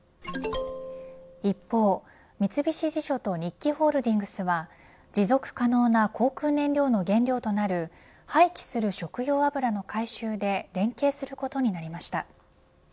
一方、三菱地所と日揮ホールディングスは持続可能な航空燃料の原料となる廃棄する食用油の回収で連携することになりました。